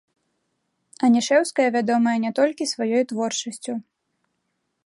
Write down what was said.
Анішэўская вядомая не толькі сваёй творчасцю.